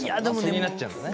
気になっちゃうんだね。